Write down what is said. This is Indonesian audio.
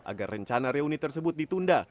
agar rencana reuni tersebut ditunda